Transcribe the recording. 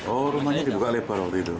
oh rumahnya dibuka lebar waktu itu